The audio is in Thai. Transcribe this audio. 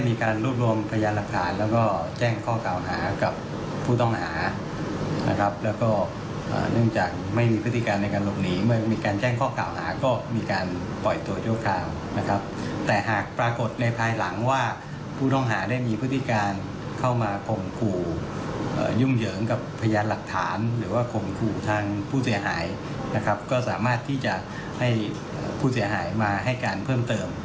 มีผู้เสี่ยหายมาให้การเพิ่มเติม